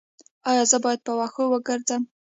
ایا زه باید په وښو وګرځم؟